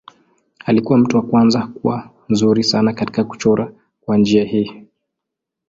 Alikuwa mtu wa kwanza kuwa mzuri sana katika kuchora kwa njia hii.